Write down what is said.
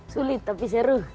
sulit tapi seru